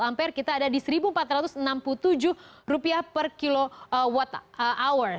ampere kita ada di rp satu empat ratus enam puluh tujuh per kilowatt hour